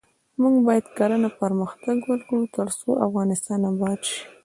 موږ باید کرنه پرمختګ ورکړو ، ترڅو افغانستان اباد شي.